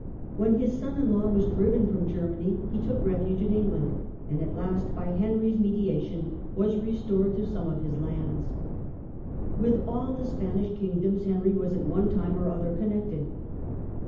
When his son in law was driven from Germany he took refuge in England, and at last, by Henry's mediation, was restored to some of his lands. With all the Spanish kingdoms Henry was at one time or other connected.